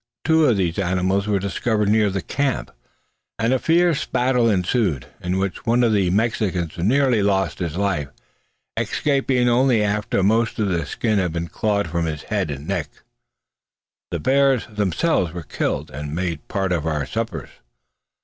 Two of these animals were discovered near the camp, and a fierce battle ensued, in which one of the Mexicans nearly lost his life, escaping only after most of the skin had been clawed from his head and neck. The bears themselves were killed, and made part of our suppers.